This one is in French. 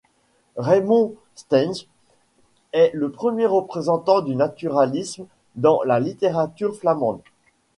Reimond Stijns est le premier représentant du naturalisme dans la littérature flamande.